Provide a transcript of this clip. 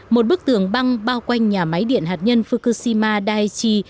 một bức tường băng bao quanh nhà máy điện hạt nhân fukushima daichi